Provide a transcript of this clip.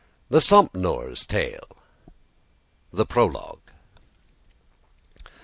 THE SOMPNOUR'S TALE. THE PROLOGUE.